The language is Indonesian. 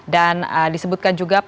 dan disebutkan juga